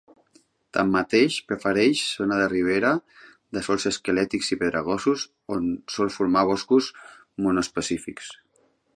Tanmateix prefereix zones de ribera, de sòls esquelètics i pedregosos on sol formar boscos monoespecífics.